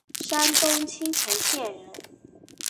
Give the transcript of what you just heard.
山东青城县人。